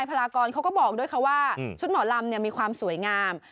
พลากรเขาก็บอกด้วยค่ะว่าชุดหมอลำมีความสวยงาม